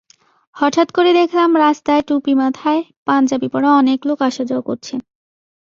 হঠাৎ করেই দেখলাম, রাস্তায় টুপি মাথায়, পাঞ্জাবি পরা অনেক লোক আসা-যাওয়া করছে।